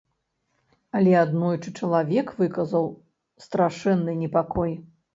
Але аднойчы чалавек выказаў страшэнны непакой.